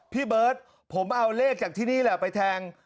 พี่เบิร์ตผมเอาเลขจากที่นี่แหละไปแทง